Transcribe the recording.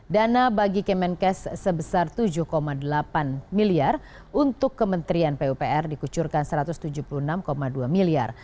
dana bagi kemenkes sebesar tujuh delapan miliar untuk kementerian pupr dikucurkan rp satu ratus tujuh puluh enam dua miliar